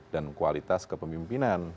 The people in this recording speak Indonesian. dan kualitas kepemimpinan